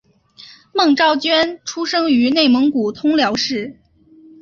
孟昭娟出生于内蒙古通辽市。